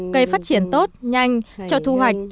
cây phát triển tốt nhanh cho thu hoạch